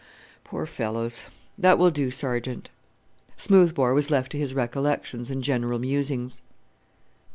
"Poor fellows! That will do, Sergeant." Smoothbore was left to his recollections and general musings.